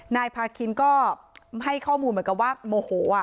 นายพาคินก็ให้ข้อมูลเหมือนกับว่าโมโห